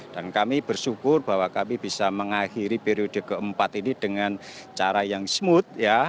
dan kami bersyukur bahwa kami bisa mengakhiri periode keempat ini dengan cara yang smooth ya